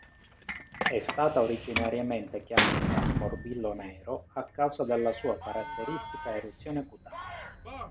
È stata originariamente chiamata "morbillo nero" a causa della sua caratteristica eruzione cutanea.